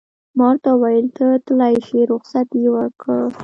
ما ورته وویل: ته تلای شې، رخصت یې ورکړ.